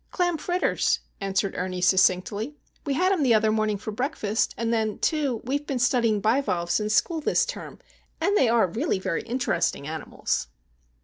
"Clam fritters," answered Ernie, succinctly. "We had 'em the other morning for breakfast, and then, too, we've been studying bivalves in school this term, and they are really very interesting animals."